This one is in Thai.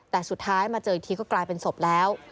แต่สุดท้ายมาเจออีกทีก็กลายเป็นศพแล้ว